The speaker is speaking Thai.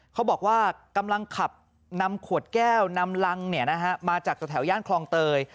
เขาบอกว่ากำลังขับนำขวดแก้วนำรังมาจากแถวย่านคลองเตย